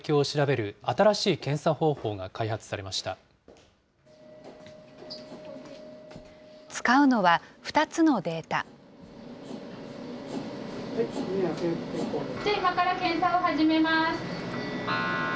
今から検査を始めます。